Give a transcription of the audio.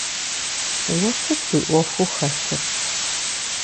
Уэ сыт уи ӏуэхуу хэлъыр?